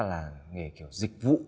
nó đã là nghề kiểu dịch vụ